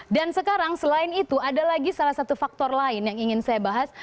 dan sekarang selain itu ada lagi salah satu faktor lain yang ingin kita lakukan